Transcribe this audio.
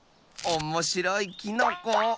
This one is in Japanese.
おもしろいキノコ。